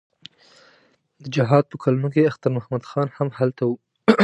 د جهاد په کلونو کې اختر محمد خان هم هلته و.